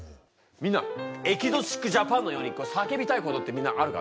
みんな「エキゾチック・ジャパン」のように叫びたいことってみんなあるか？